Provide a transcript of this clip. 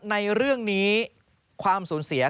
ในเรื่องนี้ความสูญเสีย